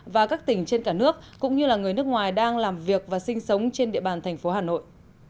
và các tỉnh trên cả nước cũng như là người nước ngoài đang làm việc và sinh sống trên địa bàn thành phố hà nội